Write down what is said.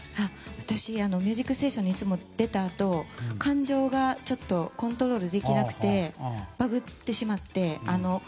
私、「ミュージックステーション」にいつも出たあと感情がちょっとコントロールできなくてバグッてしまって。